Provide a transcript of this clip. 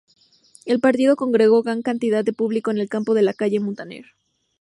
El partido congregó gran cantidad de público en el campo de la calle Muntaner.